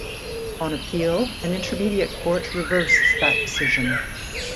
On appeal, an intermediate court reversed that decision.